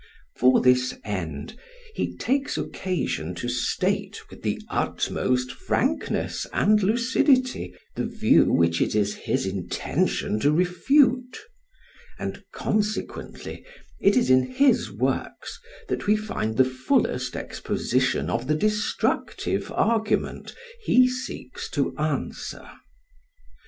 For this end, he takes occasion to state, with the utmost frankness and lucidity, the view which it is his intention to refute; and consequently it is in his works that we find the fullest exposition of the destructive argument he seeks to answer.